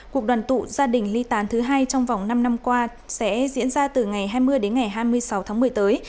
cuộc đoàn tụ gia đình ly tán thứ hai trong vòng năm năm qua sẽ diễn ra từ ngày hai mươi đến ngày hai mươi sáu tháng một mươi tới